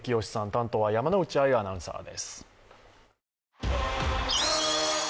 担当は山内アナウンサーです。